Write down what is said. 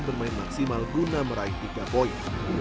bermain maksimal guna meraih tiga poin